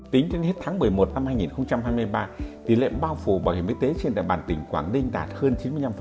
tính đến hết tháng một mươi một năm hai nghìn hai mươi ba tỷ lệ bao phủ bảo hiểm y tế trên địa bàn tỉnh quảng ninh đạt hơn chín mươi năm